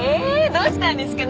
どうしたんですか？